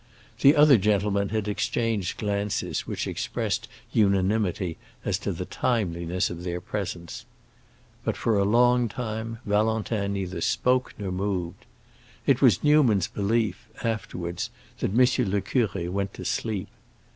The other gentlemen had exchanged glances which expressed unanimity as to the timeliness of their presence. But for a long time Valentin neither spoke nor moved. It was Newman's belief, afterwards, that M. le Curé went to sleep.